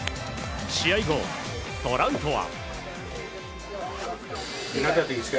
試合後、トラウトは。